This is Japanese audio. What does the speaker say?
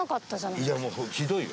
いやもうひどいよ。